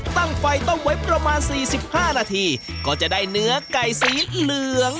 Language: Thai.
ตั้งไฟต้มไว้ประมาณ๔๕นาทีก็จะได้เนื้อไก่สีเหลือง